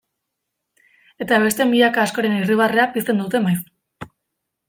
Eta beste milaka askoren irribarrea pizten dute maiz.